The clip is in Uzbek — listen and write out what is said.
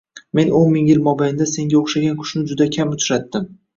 men o‘n ming yil mobaynida senga o‘xshagan qushni juda kam uchratdim.